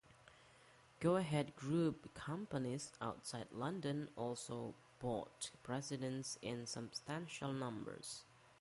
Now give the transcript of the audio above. Go-Ahead Group companies outside London also bought Presidents in substantial numbers.